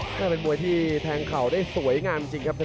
หน้าเป็นมวยที่แทงเข่าได้สวยงามจริงครับ